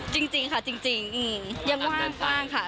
จริงจริงค่ะจริงจริงอืมยังว่างว่างค่ะ